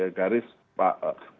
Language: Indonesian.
garis pihak yang sedang berkuasa gitu ya